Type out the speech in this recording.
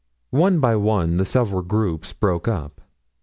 One by one the several groups broke up.